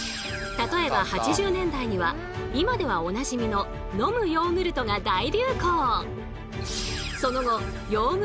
例えば８０年代には今ではおなじみの飲むヨーグルトが大流行。